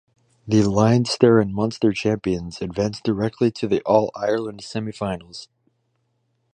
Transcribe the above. The Leinster and Munster champions advanced directly to the All-Ireland semi-finals.